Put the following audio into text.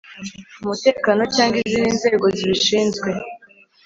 Umutekano cyangwa izindi nzego zibishinzwe